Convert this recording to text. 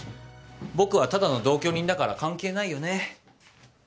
僕はただの同居人だから関係ないよね。